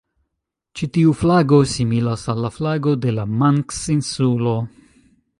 Ĉi tiu flago similas al la flago de la Manks-insulo.